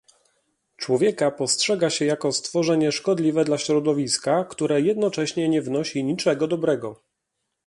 Człowieka postrzega się jako stworzenie szkodliwe dla środowiska, które jednocześnie nie wnosi niczego dobrego